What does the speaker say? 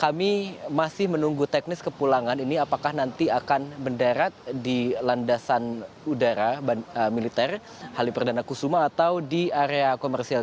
kami masih menunggu teknis kepulangan ini apakah nanti akan mendarat di landasan udara militer halim perdana kusuma atau di area komersial